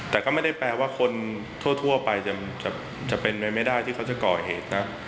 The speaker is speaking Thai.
แต่ก็ไม่ได้แปลว่าคนทั่วไปจะเป็นไปไม่ได้ที่เขาจะก่อเหตุนะ